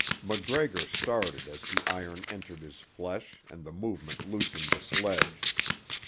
MacGregor started as the iron entered his flesh and the movement loosened the sledge.